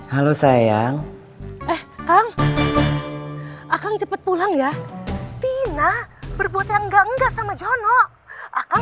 halo sayang eh kang akan cepat pulang ya tina berbuat yang enggak enggak sama jono akan